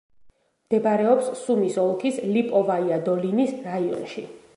მდებარეობს სუმის ოლქის ლიპოვაია-დოლინის რაიონში.